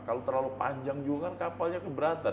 kalau terlalu panjang juga kan kapalnya keberatan